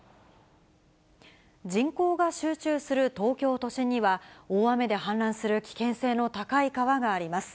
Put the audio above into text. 人口が集中する東京都心には、大雨で氾濫する危険性の高い川があります。